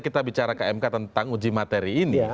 kita bicara ke mk tentang uji materi ini